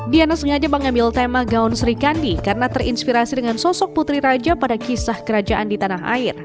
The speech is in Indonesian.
diana sengaja mengambil tema gaun serikandi karena terinspirasi dengan sosok putri raja pada kisah kerajaan di tanah air